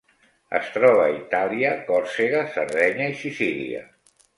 Es troba a Itàlia, Còrsega, Sardenya i Sicília.